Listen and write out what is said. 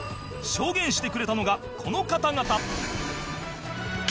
証言してくれたのがこの方々